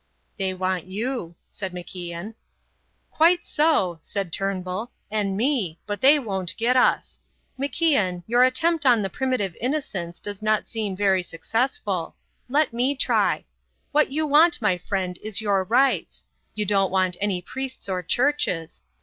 "They want you," said MacIan. "Quite so," said Turnbull, "and me; but they won't get us. MacIan, your attempt on the primitive innocence does not seem very successful. Let me try. What you want, my friend, is your rights. You don't want any priests or churches.